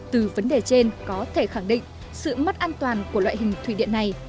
từ vấn đề trên có thể khẳng định sự mất an toàn của loại hình thủy điện này